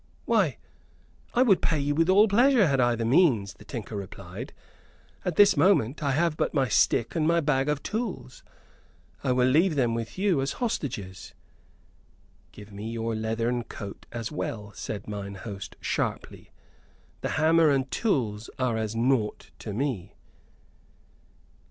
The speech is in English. "Why, I would pay you with all pleasure, had I the means," the tinker replied. "At this moment I have but my stick and my bag of tools. I will leave them with you as hostages." "Give me your leathern coat as well," said mine host, sharply; "the hammer and tools are as naught to me."